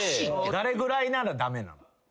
誰ぐらいなら駄目なん？